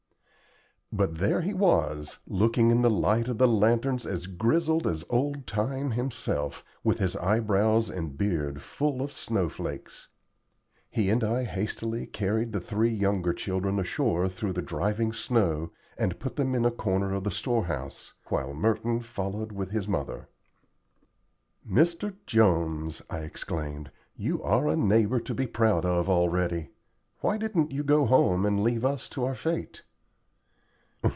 But there he was, looking in the light of the lanterns as grizzled as old Time himself, with his eyebrows and beard full of snow flakes. He and I hastily carried the three younger children ashore through the driving snow, and put them in a corner of the storehouse, while Merton followed with his mother. "Mr. Jones," I exclaimed, "you are a neighbor to be proud of already. Why didn't you go home and leave us to our fate?"